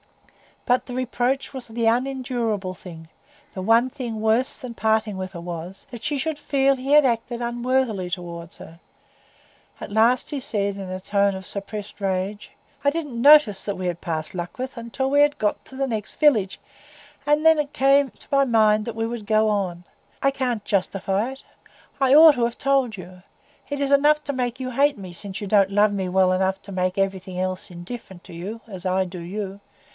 But the reproach was the unendurable thing; the one thing worse than parting with her was, that she should feel he had acted unworthily toward her. At last he said, in a tone of suppressed rage,— "I didn't notice that we had passed Luckreth till we had got to the next village; and then it came into my mind that we would go on. I can't justify it; I ought to have told you. It is enough to make you hate me, since you don't love me well enough to make everything else indifferent to you, as I do you.